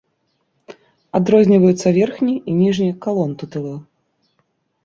Адрозніваюцца верхні і ніжні калонтытулы.